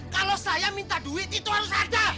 kalau saya minta duit itu harus ada